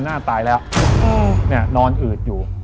เนี่ยนอนหืดอยู่